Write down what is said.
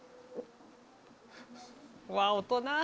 「うわっ大人」